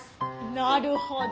なるほど。